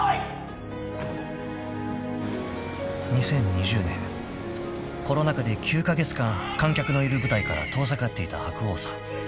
［２０２０年コロナ禍で９カ月間観客のいる舞台から遠ざかっていた白鸚さん］